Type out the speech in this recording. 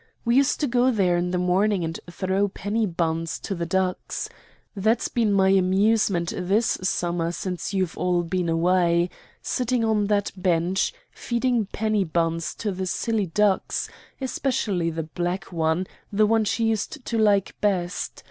We used to go there in the morning and throw penny buns to the ducks. That's been my amusement this summer since you've all been away sitting on that bench, feeding penny buns to the silly ducks especially the black one, the one she used to like best.